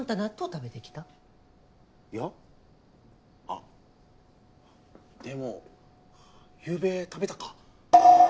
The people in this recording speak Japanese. あっでもゆうべ食べたか。